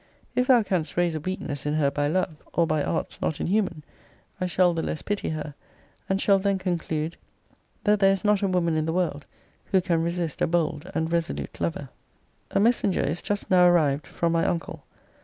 if thou canst raise a weakness in her by love, or by arts not inhuman; I shall the less pity her: and shall then conclude, that there is not a woman in the world who can resist a bold and resolute lover. A messenger is just now arrived from my uncle.